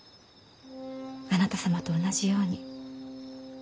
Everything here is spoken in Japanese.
あなた様と同じように。